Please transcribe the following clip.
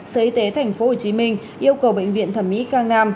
sở y tế tp hcm yêu cầu bệnh viện thẩm mỹ cang nam